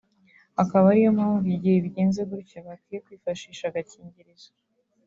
Akaba ariyo mpamvu igihe bigenze gutyo bakwiye kwifashisha agakingirizo